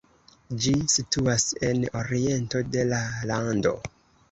Ĝi situas en oriento de la lando.